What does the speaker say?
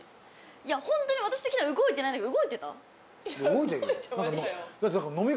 いやホントに私的には動いてないんだけど動いてた？